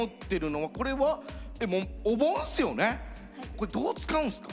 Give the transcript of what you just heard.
これどう使うんすか？